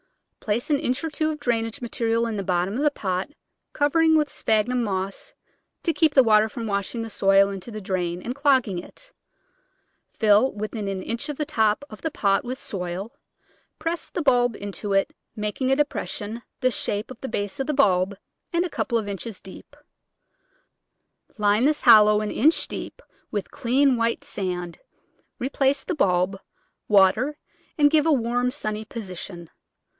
Place an inch or two of drainage material in the bottom of the pot, covering with sphagnum moss to keep the water from washing the soil into the drain and clogging it; fill within an inch of the top of the pot with soil; press the bulb into it, making a depression the shape of the base of the bulb and a couple of inches deep ; line this hollow an inch deep with clean white sand, replace the bulb, water, and give a warm, sunny position.